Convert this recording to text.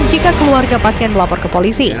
jika keluarga pasien melapor ke polisi